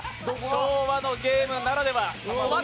昭和のゲームならでは。